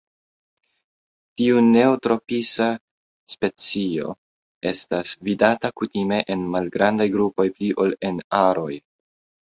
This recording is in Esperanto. Tiu neotropisa specio estas vidata kutime en malgrandaj grupoj pli ol en aroj.